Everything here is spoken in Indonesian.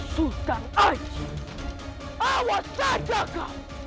sultan ajih awas saja kau